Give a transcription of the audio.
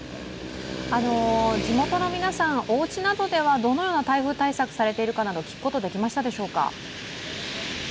地元の皆さん、おうちなどではどのような台風対策されているかなど聞くことはできましたでしょうか？